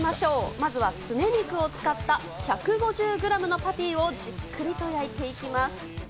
まずはスネ肉を使った１５０グラムのパティをじっくりと焼いていきます。